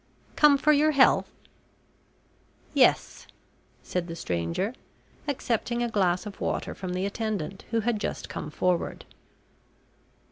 Come for your health?" "Yes," said the stranger, accepting a glass of water from the attendant, who had just come forward.